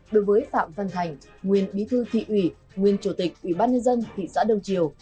đối với phạm văn thành nguyên bí thư thị ủy nguyên chủ tịch ủy ban nhân dân thị xã đông triều